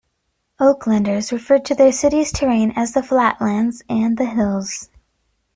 Oaklanders refer to their city's terrain as "the flatlands" and "the hills".